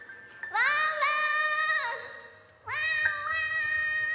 ワンワン